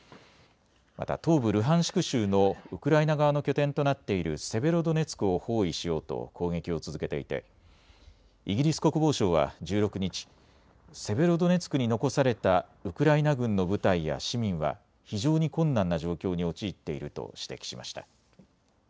また東部ルハンシク州のウクライナ側の拠点となっているセベロドネツクを包囲しようと攻撃を続けていてイギリス国防省は１６日、セベロドネツクに残されたウクライナ軍の部隊や市民は非常に困難な状況に陥っていると指摘しました。